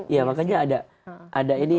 ya makanya ada